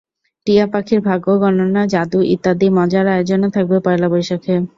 টিয়া পাখির ভাগ্য গণনা, জাদু ইত্যাদি মজার আয়োজনও থাকবে পয়লা বৈশাখে।